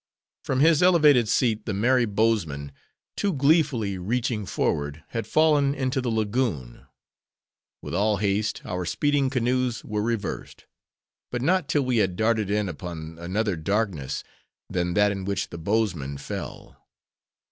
From his elevated seat, the merry bowsman, too gleefully reaching forward, had fallen into the lagoon. With all haste, our speeding canoes were reversed; but not till we had darted in upon another darkness than that in which the bowsman fell.